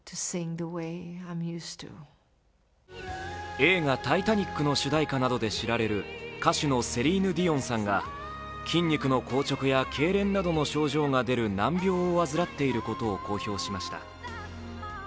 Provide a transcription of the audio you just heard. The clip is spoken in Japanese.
映画「タイタニック」の主題歌などで知られる歌手のセリーヌ・ディオンさんが筋肉の硬直やけいれんなどの症状が出る難病を患っていることを公表しました。